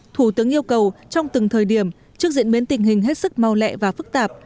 thủ tướng yêu cầu trong từng thời điểm trước diễn biến tình hình hết sức mau lẹ và phức tạp